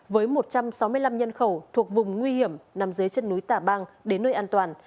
với một trăm sáu mươi năm nhân khẩu thuộc vùng nguy hiểm nằm dưới chân núi tả bang đến nơi an toàn